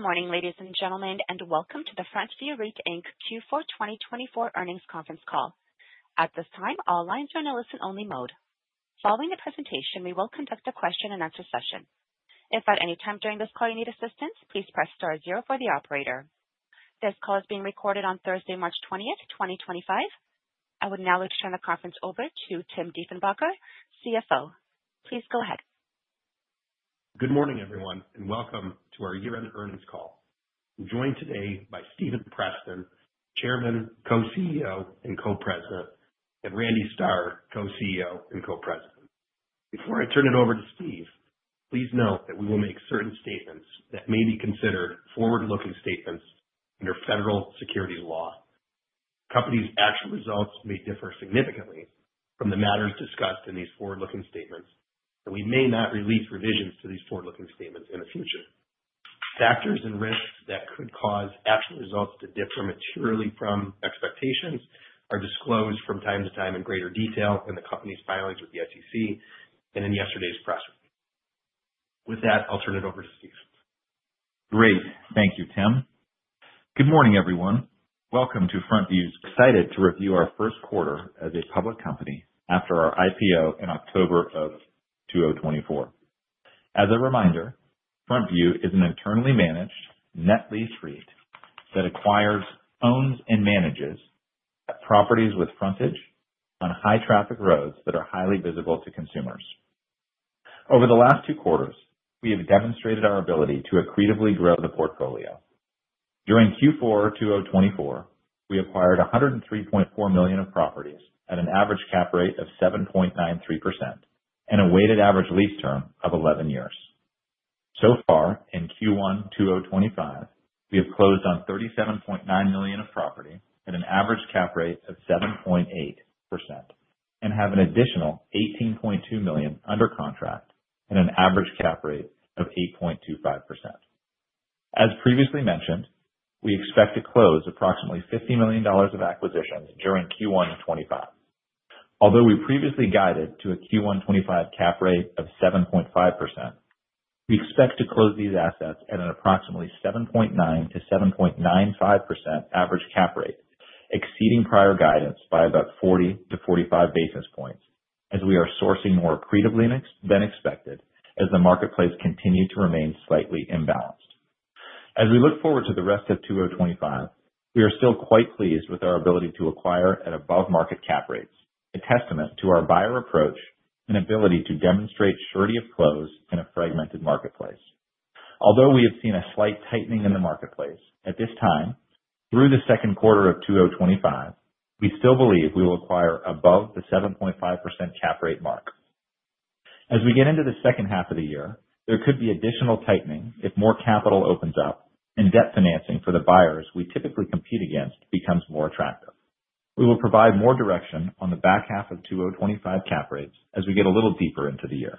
Good morning, ladies and gentlemen, and welcome to the FrontView REIT Q4 2024 Earnings Conference Call. At this time, all lines are in a listen-only mode. Following the presentation, we will conduct a question-and-answer session. If at any time during this call you need assistance, please press star zero for the operator. This call is being recorded on Thursday, March 20th, 2025. I would now like to turn the conference over to Tim Dieffenbacher, CFO. Please go ahead. Good morning, everyone, and welcome to our year-end earnings call. I'm joined today by Stephen Preston, Chairman, Co-CEO, and Co-President, and Randy Starr, Co-CEO and Co-President. Before I turn it over to Steve, please note that we will make certain statements that may be considered forward-looking statements under federal securities law. The company's actual results may differ significantly from the matters discussed in these forward-looking statements, and we may not release revisions to these forward-looking statements in the future. Factors and risks that could cause actual results to differ materially from expectations are disclosed from time to time in greater detail in the company's filings with the SEC and in yesterday's press release. With that, I'll turn it over to Steve. Great. Thank you, Tim. Good morning, everyone. Welcome to FrontView's. Excited to review our first quarter as a public company after our IPO in October 2024. As a reminder, FrontView is an internally managed net lease REIT that acquires, owns, and manages properties with frontage on high-traffic roads that are highly visible to consumers. Over the last two quarters, we have demonstrated our ability to accretively grow the portfolio. During Q4 2024, we acquired $103.4 million of properties at an average cap rate of 7.93% and a weighted average lease term of 11 years. So far, in Q1 2025, we have closed on $37.9 million of property at an average cap rate of 7.8% and have an additional $18.2 million under contract at an average cap rate of 8.25%. As previously mentioned, we expect to close approximately $50 million of acquisitions during Q1 2025. Although we previously guided to a Q1 2025 cap rate of 7.5%, we expect to close these assets at an approximately 7.9%-7.95% average cap rate, exceeding prior guidance by about 40-45 basis points, as we are sourcing more accretive links than expected as the marketplace continues to remain slightly imbalanced. As we look forward to the rest of 2025, we are still quite pleased with our ability to acquire at above-market cap rates, a testament to our buyer approach and ability to demonstrate surety of close in a fragmented marketplace. Although we have seen a slight tightening in the marketplace, at this time, through the second quarter of 2025, we still believe we will acquire above the 7.5% cap rate mark. As we get into the second half of the year, there could be additional tightening if more capital opens up and debt financing for the buyers we typically compete against becomes more attractive. We will provide more direction on the back half of 2025 cap rates as we get a little deeper into the year.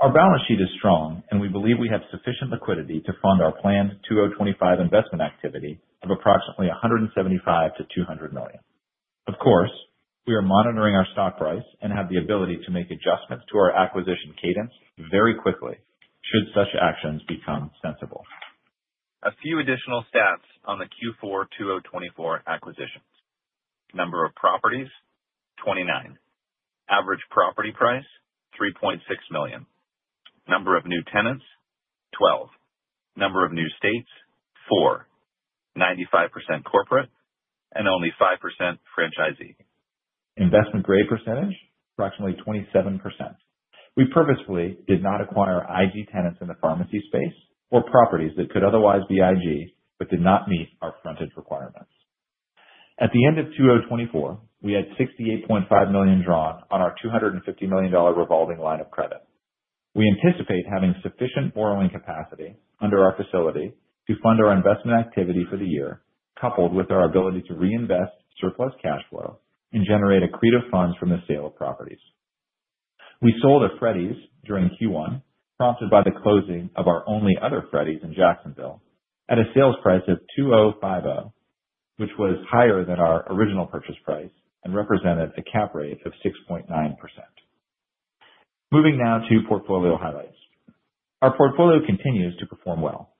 Our balance sheet is strong, and we believe we have sufficient liquidity to fund our planned 2025 investment activity of approximately $175 million-$200 million. Of course, we are monitoring our stock price and have the ability to make adjustments to our acquisition cadence very quickly should such actions become sensible. A few additional stats on the Q4 2024 acquisitions. Number of properties: 29. Average property price: $3.6 million. Number of new tenants: 12. Number of new states: 4. 95% corporate and only 5% franchisee. Investment grade percentage: approximately 27%. We purposefully did not acquire IG tenants in the pharmacy space or properties that could otherwise be IG but did not meet our frontage requirements. At the end of 2024, we had $68.5 million drawn on our $250 million revolving line of credit. We anticipate having sufficient borrowing capacity under our facility to fund our investment activity for the year, coupled with our ability to reinvest surplus cash flow and generate accretive funds from the sale of properties. We sold a Freddy's during Q1, prompted by the closing of our only other Freddy's in Jacksonville, at a sales price of $2.05 million which was higher than our original purchase price and represented a cap rate of 6.9%. Moving now to portfolio highlights. Our portfolio continues to perform well.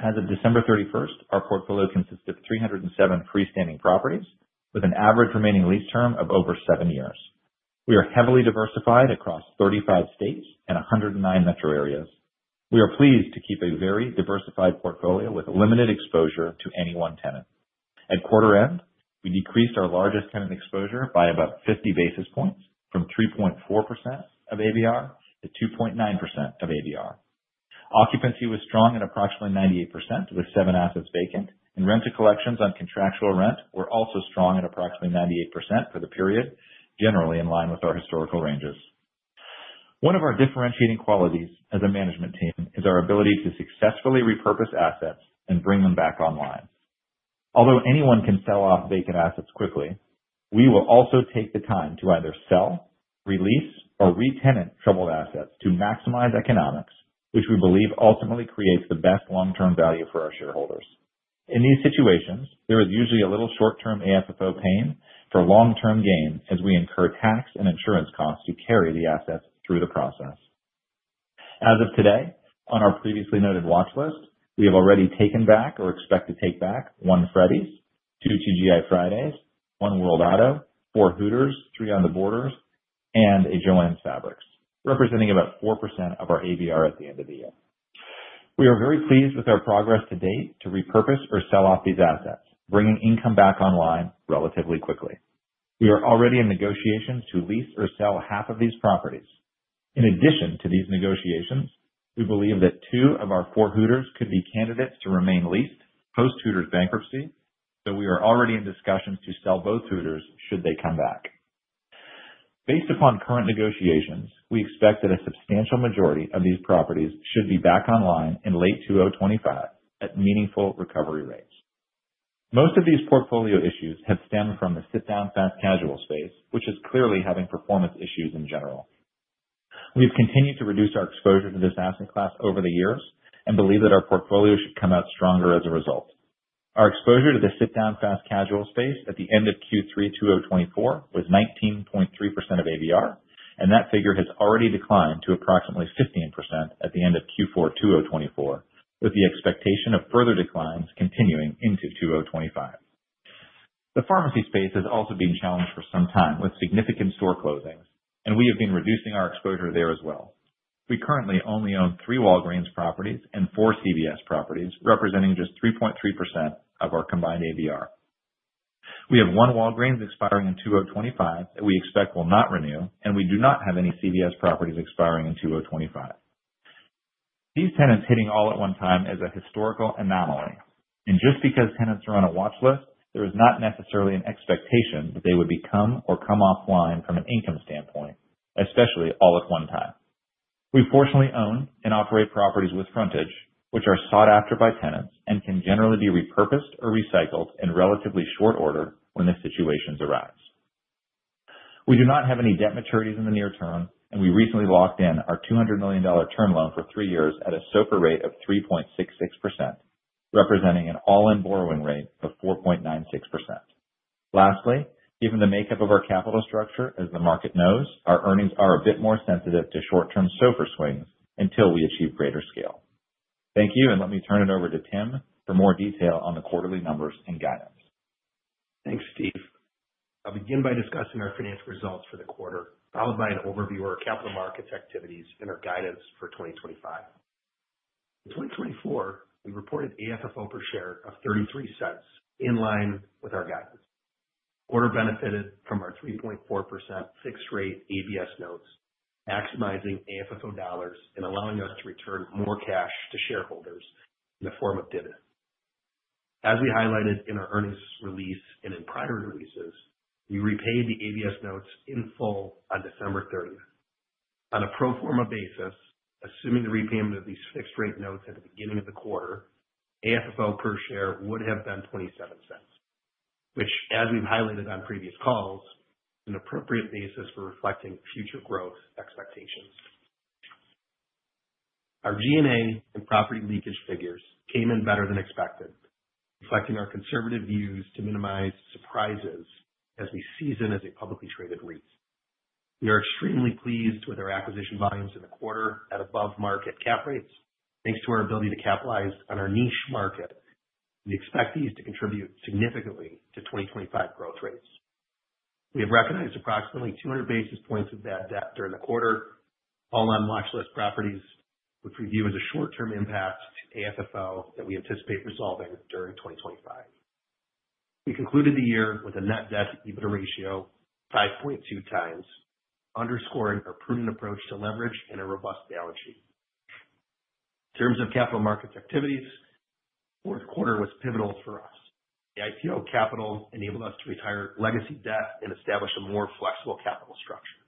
As of December 31, our portfolio consisted of 307 freestanding properties with an average remaining lease term of over seven years. We are heavily diversified across 35 states and 109 metro areas. We are pleased to keep a very diversified portfolio with limited exposure to any one tenant. At quarter end, we decreased our largest tenant exposure by about 50 basis points from 3.4% of ABR to 2.9% of ABR. Occupancy was strong at approximately 98% with seven assets vacant, and rental collections on contractual rent were also strong at approximately 98% for the period, generally in line with our historical ranges. One of our differentiating qualities as a management team is our ability to successfully repurpose assets and bring them back online. Although anyone can sell off vacant assets quickly, we will also take the time to either sell, release, or re-tenant troubled assets to maximize economics, which we believe ultimately creates the best long-term value for our shareholders. In these situations, there is usually a little short-term AFFO pain for long-term gain as we incur tax and insurance costs to carry the assets through the process. As of today, on our previously noted watch list, we have already taken back or expect to take back one Freddy's, two TGI Fridays, one World Auto, four Hooters, three On the Border, and a Joann Fabrics, representing about 4% of our ABR at the end of the year. We are very pleased with our progress to date to repurpose or sell off these assets, bringing income back online relatively quickly. We are already in negotiations to lease or sell half of these properties. In addition to these negotiations, we believe that two of our four Hooters could be candidates to remain leased post-Hooters bankruptcy, so we are already in discussions to sell both Hooters should they come back. Based upon current negotiations, we expect that a substantial majority of these properties should be back online in late 2025 at meaningful recovery rates. Most of these portfolio issues have stemmed from the sit-down fast casual space, which is clearly having performance issues in general. We have continued to reduce our exposure to this asset class over the years and believe that our portfolio should come out stronger as a result. Our exposure to the sit-down fast casual space at the end of Q3 2024 was 19.3% of ABR, and that figure has already declined to approximately 15% at the end of Q4 2024, with the expectation of further declines continuing into 2025. The pharmacy space has also been challenged for some time with significant store closings, and we have been reducing our exposure there as well. We currently only own three Walgreens properties and four CVS properties, representing just 3.3% of our combined ABR. We have one Walgreens expiring in 2025 that we expect will not renew, and we do not have any CVS properties expiring in 2025. These tenants hitting all at one time is a historical anomaly, and just because tenants are on a watch list, there is not necessarily an expectation that they would become or come offline from an income standpoint, especially all at one time. We fortunately own and operate properties with frontage, which are sought after by tenants and can generally be repurposed or recycled in relatively short order when the situations arise. We do not have any debt maturities in the near term, and we recently locked in our $200 million term loan for three years at a SOFR rate of 3.66%, representing an all-in borrowing rate of 4.96%. Lastly, given the makeup of our capital structure, as the market knows, our earnings are a bit more sensitive to short-term SOFR swings until we achieve greater scale. Thank you, and let me turn it over to Tim for more detail on the quarterly numbers and guidance. Thanks, Steve. I'll begin by discussing our financial results for the quarter, followed by an overview of our capital markets activities and our guidance for 2025. In 2024, we reported AFFO per share of $0.33 in line with our guidance. Quarter benefited from our 3.4% fixed-rate ABS notes, maximizing AFFO dollars and allowing us to return more cash to shareholders in the form of dividends. As we highlighted in our earnings release and in prior releases, we repaid the ABS notes in full on December 30th. On a pro forma basis, assuming the repayment of these fixed-rate notes at the beginning of the quarter, AFFO per share would have been $0.27, which, as we've highlighted on previous calls, is an appropriate basis for reflecting future growth expectations. Our G&A and property leakage figures came in better than expected, reflecting our conservative views to minimize surprises as we season as a publicly traded REIT. We are extremely pleased with our acquisition volumes in the quarter at above-market cap rates, thanks to our ability to capitalize on our niche market. We expect these to contribute significantly to 2025 growth rates. We have recognized approximately 200 basis points of bad debt during the quarter, all on watch list properties, which we view as a short-term impact to AFFO that we anticipate resolving during 2025. We concluded the year with a net debt/EBITDA ratio of 5.2 times, underscoring our prudent approach to leverage and a robust balance sheet. In terms of capital markets activities, the fourth quarter was pivotal for us. The IPO capital enabled us to retire legacy debt and establish a more flexible capital structure.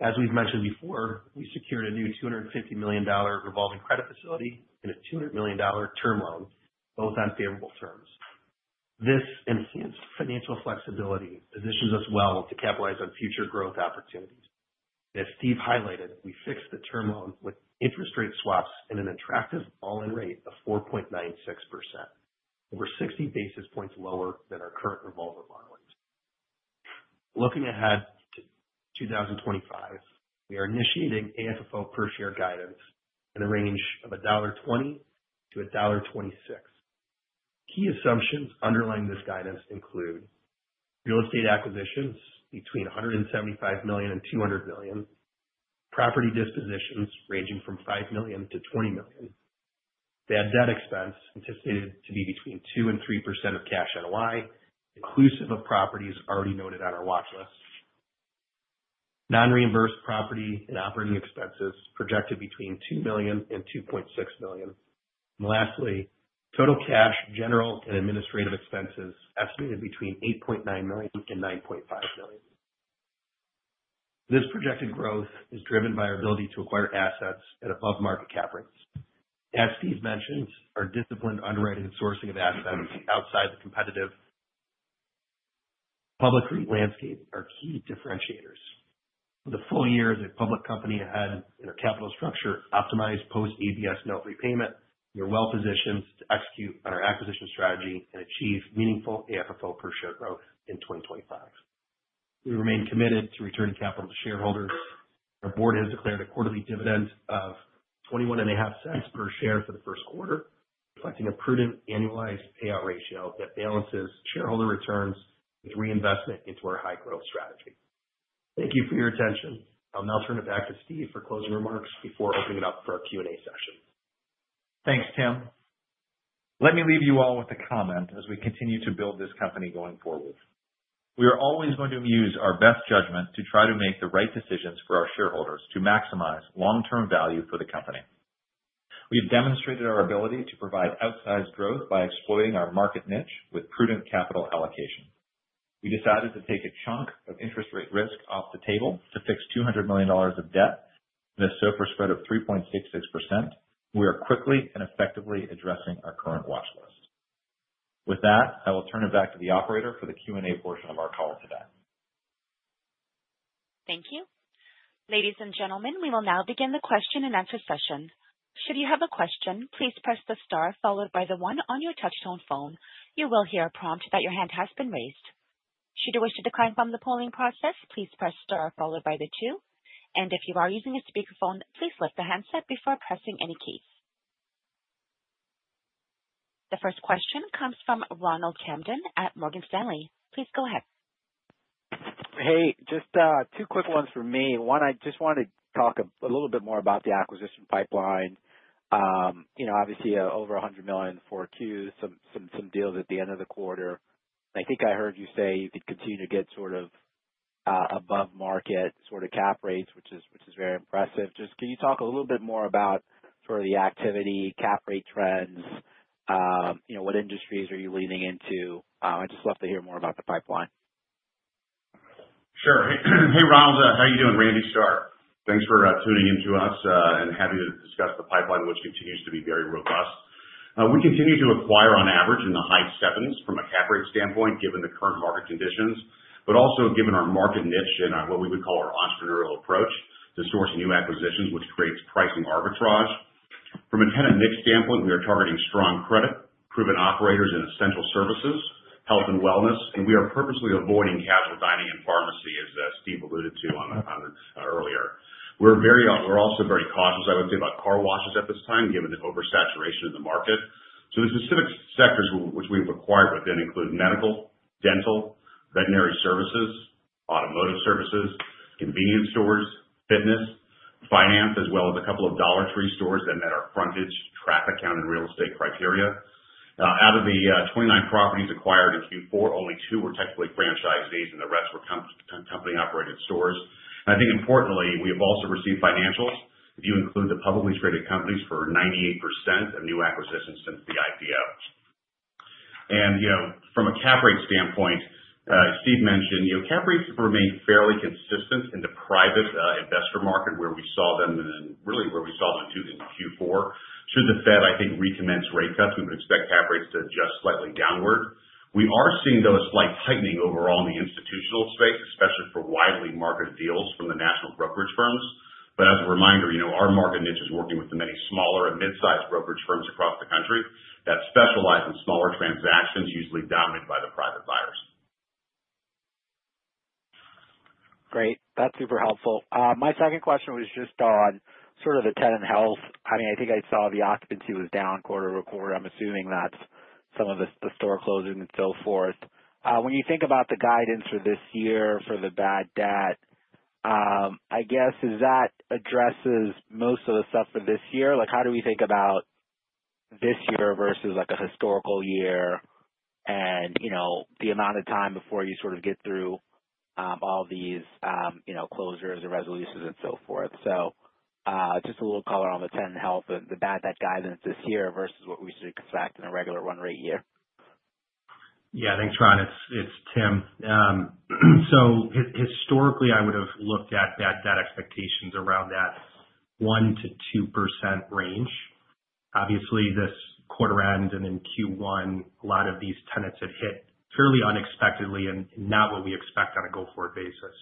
As we've mentioned before, we secured a new $250 million revolving credit facility and a $200 million term loan, both on favorable terms. This enhanced financial flexibility positions us well to capitalize on future growth opportunities. As Steve highlighted, we fixed the term loan with interest rate swaps and an attractive all-in rate of 4.96%, over 60 basis points lower than our current revolving margins. Looking ahead to 2025, we are initiating AFFO per share guidance in the range of $1.20-$1.26. Key assumptions underlying this guidance include real estate acquisitions between $175 million and $200 million, property dispositions ranging from $5 million to $20 million, bad debt expense anticipated to be between 2% and 3% of cash NOI, inclusive of properties already noted on our watch list, non-reimbursed property and operating expenses projected between $2 million and $2.6 million, and lastly, total cash general and administrative expenses estimated between $8.9 million and $9.5 million. This projected growth is driven by our ability to acquire assets at above-market cap rates. As Steve mentioned, our disciplined underwriting and sourcing of assets outside the competitive public REIT landscape are key differentiators. With a full year as a public company ahead in our capital structure, optimized post-ABS note repayment, we are well positioned to execute on our acquisition strategy and achieve meaningful AFFO per share growth in 2025. We remain committed to returning capital to shareholders. Our board has declared a quarterly dividend of $0.215 per share for the first quarter, reflecting a prudent annualized payout ratio that balances shareholder returns with reinvestment into our high-growth strategy. Thank you for your attention. I'll now turn it back to Steve for closing remarks before opening it up for our Q&A session. Thanks, Tim. Let me leave you all with a comment as we continue to build this company going forward. We are always going to use our best judgment to try to make the right decisions for our shareholders to maximize long-term value for the company. We have demonstrated our ability to provide outsized growth by exploiting our market niche with prudent capital allocation. We decided to take a chunk of interest rate risk off the table to fix $200 million of debt in a SOFR spread of 3.66%, and we are quickly and effectively addressing our current watch list. With that, I will turn it back to the operator for the Q&A portion of our call today. Thank you. Ladies and gentlemen, we will now begin the question-and-answer session. Should you have a question, please press the star followed by the one on your touchtone phone. You will hear a prompt that your hand has been raised. Should you wish to decline from the polling process, please press star followed by the two. If you are using a speakerphone, please lift the handset before pressing any keys. The first question comes from Ronald Kamdem at Morgan Stanley. Please go ahead. Hey, just two quick ones for me. One, I just wanted to talk a little bit more about the acquisition pipeline. You know, obviously, over $100 million for Q, some deals at the end of the quarter. I think I heard you say you could continue to get sort of above-market sort of cap rates, which is very impressive. Just can you talk a little bit more about sort of the activity, cap rate trends, you know, what industries are you leaning into? I'd just love to hear more about the pipeline. Sure. Hey, Ronald, how are you doing? Randy Starr, thanks for tuning in to us and happy to discuss the pipeline, which continues to be very robust. We continue to acquire on average in the high sevens from a cap rate standpoint, given the current market conditions, but also given our market niche and what we would call our entrepreneurial approach to source new acquisitions, which creates pricing arbitrage. From a tenant niche standpoint, we are targeting strong credit, proven operators in essential services, health and wellness, and we are purposely avoiding casual dining and pharmacy, as Steve alluded to earlier. We are also very cautious, I would say, about car washes at this time, given the oversaturation in the market. The specific sectors which we've acquired within include medical, dental, veterinary services, automotive services, convenience stores, fitness, finance, as well as a couple of Dollar Tree stores that met our frontage, traffic, count, and real estate criteria. Out of the 29 properties acquired in Q4, only two were technically franchisees, and the rest were company-operated stores. I think importantly, we have also received financials, if you include the publicly traded companies, for 98% of new acquisitions since the IPO. You know, from a cap rate standpoint, Steve mentioned, you know, cap rates remain fairly consistent in the private investor market, where we saw them, and really where we saw them in Q4. Should the Fed, I think, recommence rate cuts, we would expect cap rates to adjust slightly downward. We are seeing, though, a slight tightening overall in the institutional space, especially for widely marketed deals from the national brokerage firms. As a reminder, you know, our market niche is working with the many smaller and mid-sized brokerage firms across the country that specialize in smaller transactions, usually dominated by the private buyers. Great. That's super helpful. My second question was just on sort of the tenant health. I mean, I think I saw the occupancy was down quarter over quarter. I'm assuming that's some of the store closing and so forth. When you think about the guidance for this year for the bad debt, I guess, is that addresses most of the stuff for this year? Like, how do we think about this year versus like a historical year and, you know, the amount of time before you sort of get through all these, you know, closures or resolutions and so forth? Just a little color on the tenant health and the bad debt guidance this year versus what we should expect in a regular run rate year. Yeah, thanks, Ron. It's Tim. Historically, I would have looked at bad debt expectations around that 1%-2% range. Obviously, this quarter end and in Q1, a lot of these tenants had hit fairly unexpectedly and not what we expect on a go-forward basis.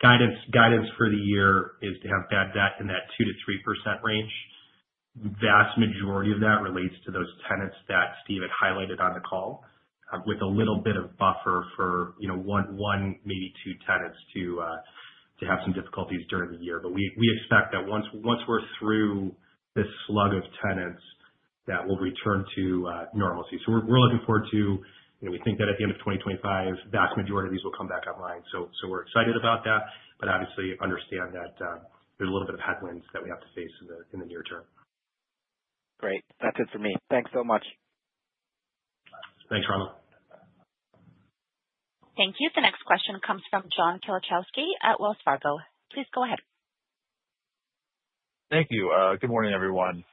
Guidance for the year is to have bad debt in that 2%-3% range. The vast majority of that relates to those tenants that Steve had highlighted on the call, with a little bit of buffer for, you know, one, maybe two tenants to have some difficulties during the year. We expect that once we're through this slug of tenants, we'll return to normalcy. We're looking forward to, you know, we think that at the end of 2025, the vast majority of these will come back online. We're excited about that, but obviously understand that there's a little bit of headwinds that we have to face in the near term. Great. That's it for me. Thanks so much. Thanks, Ronald. Thank you. The next question comes from John Kilichowski at Wells Fargo. Please go ahead. Thank you. Good morning, everyone.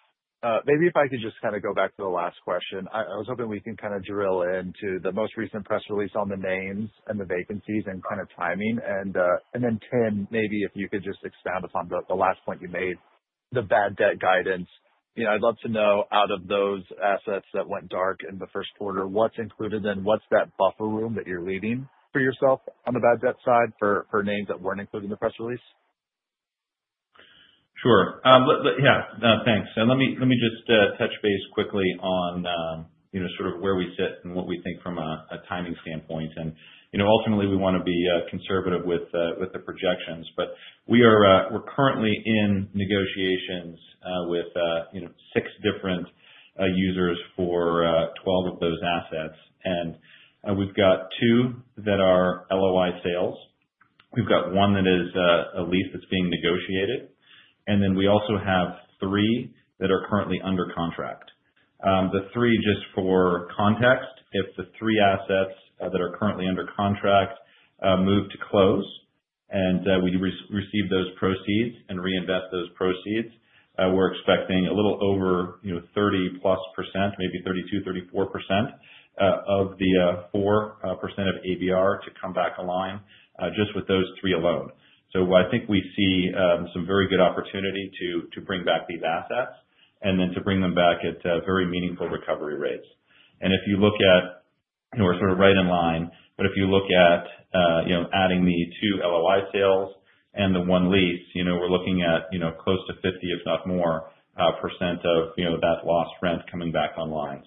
Maybe if I could just kind of go back to the last question. I was hoping we can kind of drill into the most recent press release on the names and the vacancies and kind of timing. Then, Tim, maybe if you could just expound upon the last point you made, the bad debt guidance. You know, I'd love to know out of those assets that went dark in the first quarter, what's included in what's that buffer room that you're leaving for yourself on the bad debt side for names that weren't included in the press release? Sure. Yeah, thanks. Let me just touch base quickly on, you know, sort of where we sit and what we think from a timing standpoint. You know, ultimately, we want to be conservative with the projections, but we are currently in negotiations with, you know, six different users for 12 of those assets. We've got two that are LOI sales. We've got one that is a lease that's being negotiated. We also have three that are currently under contract. The three, just for context, if the three assets that are currently under contract move to close and we receive those proceeds and reinvest those proceeds, we're expecting a little over, you know, 30-plus %, maybe 32%, 34% of the 4% of ABR to come back online just with those three alone. I think we see some very good opportunity to bring back these assets and then to bring them back at very meaningful recovery rates. If you look at, you know, we're sort of right in line, but if you look at, you know, adding the two LOI sales and the one lease, you know, we're looking at, you know, close to 50%, if not more, of, you know, that lost rent coming back online.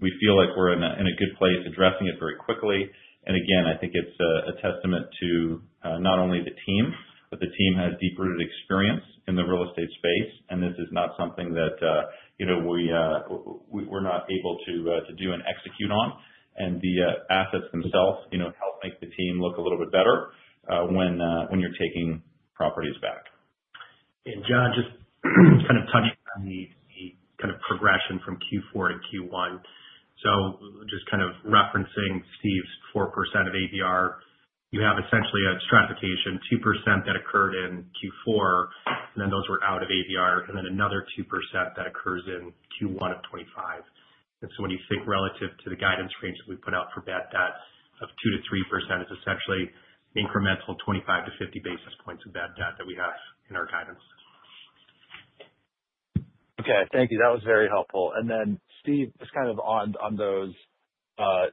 We feel like we're in a good place addressing it very quickly. Again, I think it's a testament to not only the team, but the team has deep-rooted experience in the real estate space. This is not something that, you know, we're not able to do and execute on. The assets themselves, you know, help make the team look a little bit better when you're taking properties back. John, just kind of touching on the kind of progression from Q4 to Q1. Just kind of referencing Steve's 4% of ABR, you have essentially a stratification, 2% that occurred in Q4, and then those were out of ABR, and then another 2% that occurs in Q1 of 2025. When you think relative to the guidance range that we put out for bad debt of 2%-3%, it is essentially incremental 25-50 basis points of bad debt that we have in our guidance. Okay. Thank you. That was very helpful. Steve, just kind of on those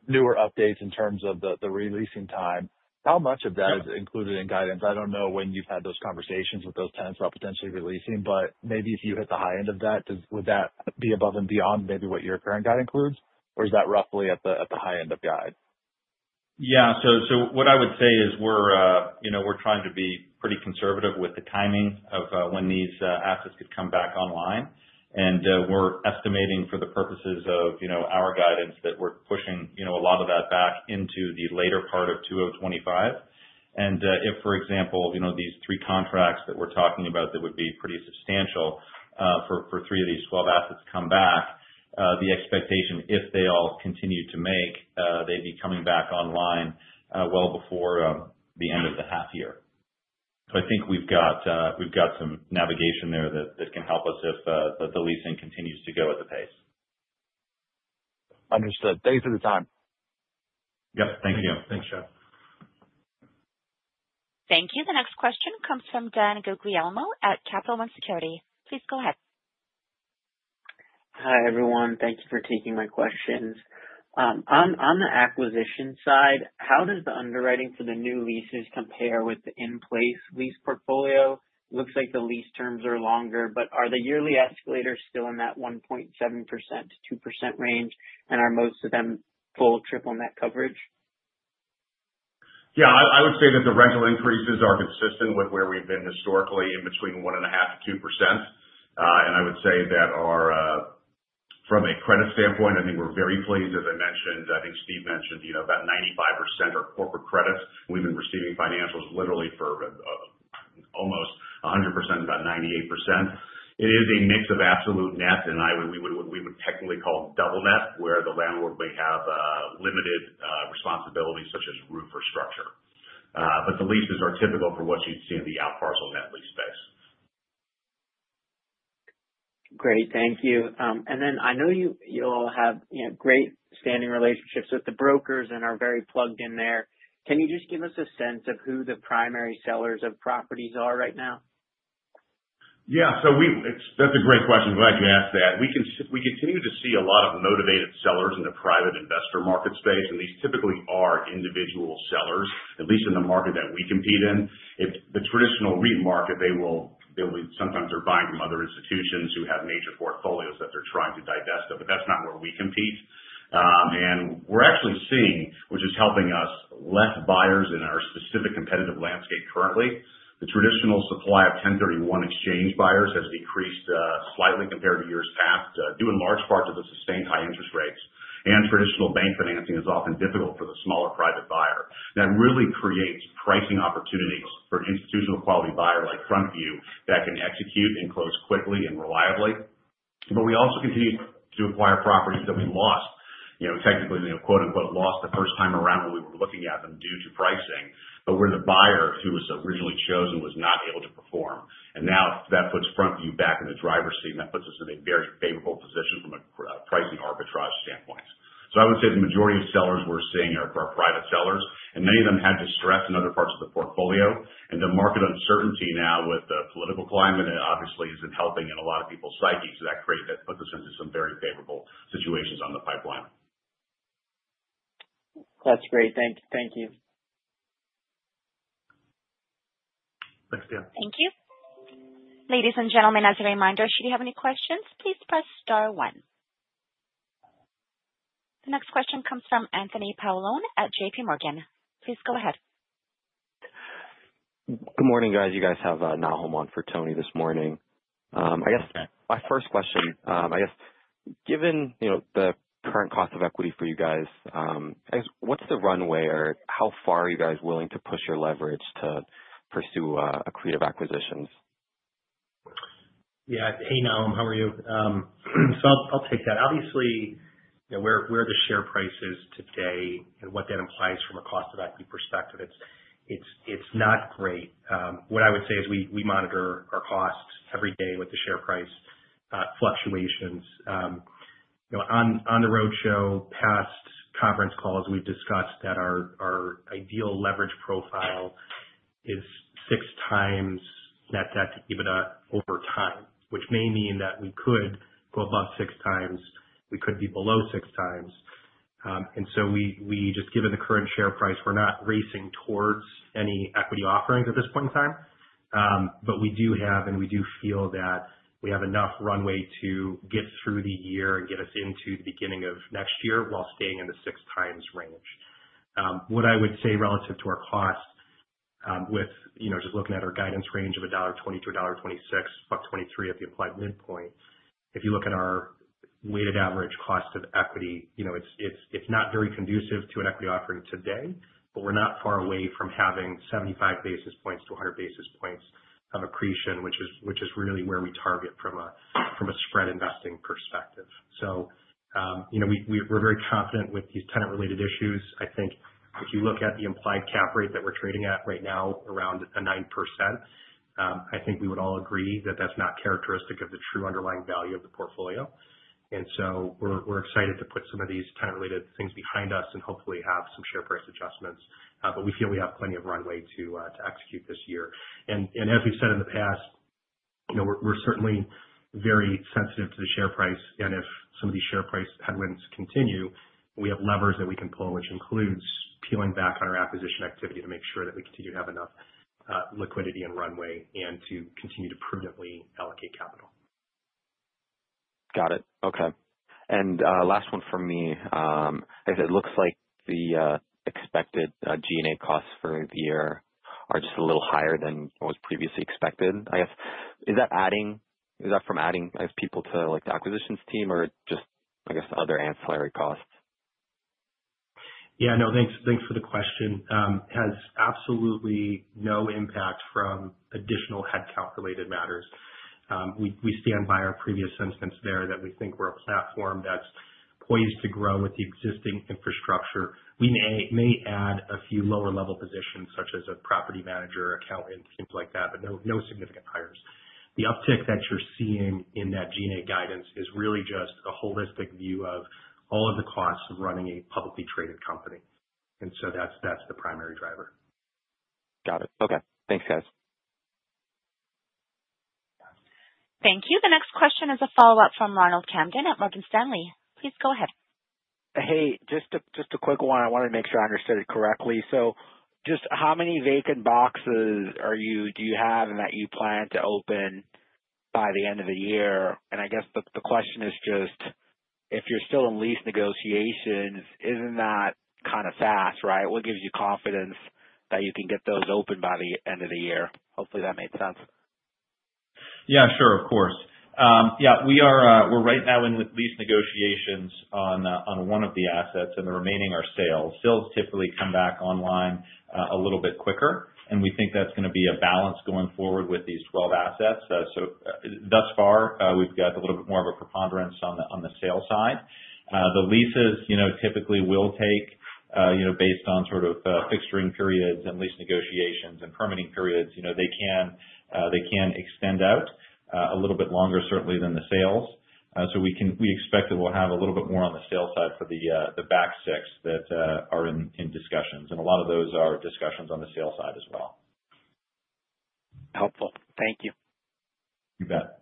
newer updates in terms of the releasing time, how much of that is included in guidance? I do not know when you've had those conversations with those tenants about potentially releasing, but maybe if you hit the high end of that, would that be above and beyond maybe what your current guide includes? Or is that roughly at the high end of guide? Yeah. What I would say is we're, you know, we're trying to be pretty conservative with the timing of when these assets could come back online. We're estimating for the purposes of, you know, our guidance that we're pushing, you know, a lot of that back into the later part of 2025. If, for example, you know, these three contracts that we're talking about that would be pretty substantial for three of these 12 assets to come back, the expectation, if they all continue to make, they'd be coming back online well before the end of the half year. I think we've got some navigation there that can help us if the leasing continues to go at the pace. Understood. Thanks for the time. Yep. Thank you. Thanks, John. Thank you. The next question comes from Dan Guglielmo at Capital One Securities. Please go ahead. Hi, everyone. Thank you for taking my questions. On the acquisition side, how does the underwriting for the new leases compare with the in-place lease portfolio? Looks like the lease terms are longer, but are the yearly escalators still in that 1.7%-2% range, and are most of them full triple net coverage? Yeah. I would say that the rental increases are consistent with where we've been historically in between 1.5%-2%. I would say that from a credit standpoint, I think we're very pleased. As I mentioned, I think Steve mentioned, you know, about 95% are corporate credits. We've been receiving financials literally for almost 100%, about 98%. It is a mix of absolute net, and we would technically call it double net, where the landlord may have limited responsibilities such as roof or structure. The leases are typical for what you'd see in the outparcel net lease space. Great. Thank you. I know you all have, you know, great standing relationships with the brokers and are very plugged in there. Can you just give us a sense of who the primary sellers of properties are right now? Yeah. That's a great question. Glad you asked that. We continue to see a lot of motivated sellers in the private investor market space, and these typically are individual sellers, at least in the market that we compete in. The traditional REIT market will sometimes be buying from other institutions who have major portfolios that they're trying to divest of, but that's not where we compete. We're actually seeing, which is helping us, fewer buyers in our specific competitive landscape currently. The traditional supply of 1,031 exchange buyers has decreased slightly compared to years past, due in large part to the sustained high interest rates. Traditional bank financing is often difficult for the smaller private buyer. That really creates pricing opportunities for an institutional quality buyer like FrontView that can execute and close quickly and reliably. We also continue to acquire properties that we lost, you know, technically, you know, "lost" the first time around when we were looking at them due to pricing, but where the buyer who was originally chosen was not able to perform. Now that puts FrontView back in the driver's seat. That puts us in a very favorable position from a pricing arbitrage standpoint. I would say the majority of sellers we're seeing are private sellers, and many of them had distress in other parts of the portfolio. The market uncertainty now with the political climate obviously has been helping in a lot of people's psyche, so that puts us into some very favorable situations on the pipeline. That's great. Thank you. Thanks, Dan. Thank you. Ladies and gentlemen, as a reminder, should you have any questions, please press star one. The next question comes from Anthony Paolone at JPMorgan. Please go ahead. Good morning, guys. You guys have Nahum on for Tony this morning. I guess my first question, I guess, given, you know, the current cost of equity for you guys, I guess, what's the runway or how far are you guys willing to push your leverage to pursue accretive acquisitions? Yeah. Hey, Nahum. How are you? I'll take that. Obviously, you know, where the share price is today and what that implies from a cost of equity perspective, it's not great. What I would say is we monitor our costs every day with the share price fluctuations. You know, on the roadshow, past conference calls, we've discussed that our ideal leverage profile is six times net debt to EBITDA over time, which may mean that we could go above six times. We could be below six times. We just, given the current share price, we're not racing towards any equity offerings at this point in time. We do have, and we do feel that we have enough runway to get through the year and get us into the beginning of next year while staying in the six times range. What I would say relative to our cost with, you know, just looking at our guidance range of $1.20-$1.26, $1.23 at the applied midpoint, if you look at our weighted average cost of equity, you know, it's not very conducive to an equity offering today, but we're not far away from having 75 basis points to 100 basis points of accretion, which is really where we target from a spread investing perspective. You know, we're very confident with these tenant-related issues. I think if you look at the implied cap rate that we're trading at right now, around 9%, I think we would all agree that that's not characteristic of the true underlying value of the portfolio. We're excited to put some of these tenant-related things behind us and hopefully have some share price adjustments. We feel we have plenty of runway to execute this year. As we've said in the past, you know, we're certainly very sensitive to the share price. If some of these share price headwinds continue, we have levers that we can pull, which includes peeling back on our acquisition activity to make sure that we continue to have enough liquidity and runway and to continue to prudently allocate capital. Got it. Okay. Last one from me. It looks like the expected G&A costs for the year are just a little higher than what was previously expected, I guess. Is that from adding people to, like, the acquisitions team or just, I guess, other ancillary costs? Yeah. No, thanks for the question. Has absolutely no impact from additional headcount-related matters. We stand by our previous sentence there that we think we're a platform that's poised to grow with the existing infrastructure. We may add a few lower-level positions such as a property manager, accountant, things like that, but no significant hires. The uptick that you're seeing in that G&A guidance is really just a holistic view of all of the costs of running a publicly traded company. That's the primary driver. Got it. Okay. Thanks, guys. Thank you. The next question is a follow-up from Ronald Kamdem at Morgan Stanley. Please go ahead. Hey, just a quick one. I wanted to make sure I understood it correctly. Just how many vacant boxes do you have that you plan to open by the end of the year? I guess the question is, if you're still in lease negotiations, isn't that kind of fast, right? What gives you confidence that you can get those open by the end of the year? Hopefully, that made sense. Yeah. Sure. Of course. Yeah. We are right now in lease negotiations on one of the assets, and the remaining are sales. Sales typically come back online a little bit quicker, and we think that's going to be a balance going forward with these 12 assets. Thus far, we've got a little bit more of a preponderance on the sale side. The leases, you know, typically will take, you know, based on sort of fixturing periods and lease negotiations and permitting periods, you know, they can extend out a little bit longer, certainly, than the sales. We expect that we'll have a little bit more on the sale side for the back six that are in discussions. A lot of those are discussions on the sale side as well. Helpful. Thank you. You bet.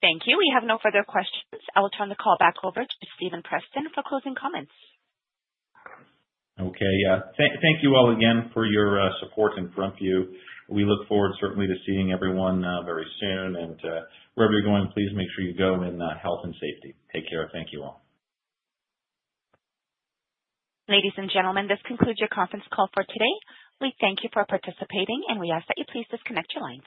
Thank you. We have no further questions. I will turn the call back over to Stephen Preston for closing comments. Okay. Yeah. Thank you all again for your support in FrontView. We look forward certainly to seeing everyone very soon. Wherever you're going, please make sure you go in health and safety. Take care. Thank you all. Ladies and gentlemen, this concludes your conference call for today. We thank you for participating, and we ask that you please disconnect your lines.